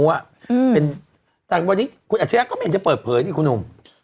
แต่วันนี้คุณอัจฉริยะก็ไม่เห็นจะเปิดเผยนี่คุณหนุ่ม